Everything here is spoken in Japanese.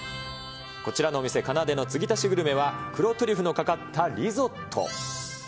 こちらのお店、カナデの継ぎ足しグルメは、黒トリュフのかかったリゾット。